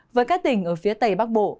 với các tỉnh ở phía tây bắc bộ